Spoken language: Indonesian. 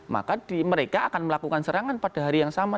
maka mereka akan melakukan serangan pada hari yang sama